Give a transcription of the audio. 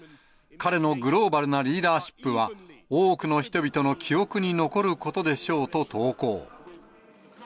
彼のグローバルなリーダーシップは、多くの人々の記憶に残ることでしょうと投稿。